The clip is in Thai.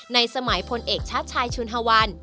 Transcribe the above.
ในสมัยพลเอกชาติชายชุนฮวัน